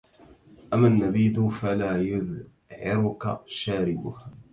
أما النبيذ فلا يذعرك شاربه